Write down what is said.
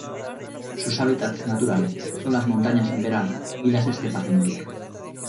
Sus hábitats naturales son las montañas en verano y las estepas en invierno.